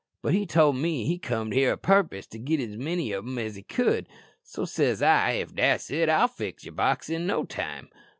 But he told me he comed here a purpose to git as many o' them as he could; so says I, 'If that's it, I'll fill yer box in no time.'